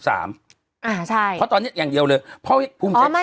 เพราะตอนนี้อย่างเดียวเลย